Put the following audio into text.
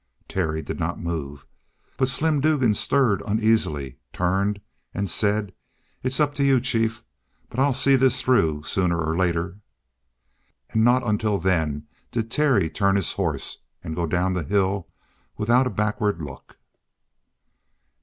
Terry did not move, but Slim Dugan stirred uneasily, turned, and said: "It's up to you, chief. But I'll see this through sooner or later!" And not until then did Terry turn his horse and go down the hill without a backward look.